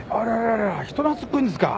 あら人懐っこいんですか。